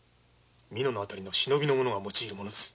美濃の辺りの忍びの者が用います。